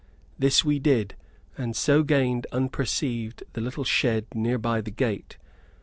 This we did, and so gained, unperceived, the little shed near by the gate.